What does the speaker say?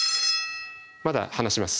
まだ話します。